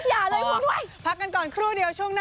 อย่าเลยวุ่นว่าย